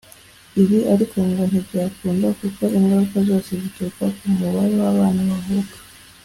Ibi ariko ngo ntibyakunda kuko ingaruka zose zituruka ku mubare w’abana bavuka